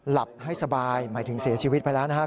หลับให้สบายหมายถึงเสียชีวิตไปแล้วนะครับ